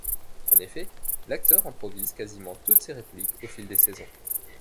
En effet, l'acteur improvise quasiment toutes ses répliques au fil des saisons.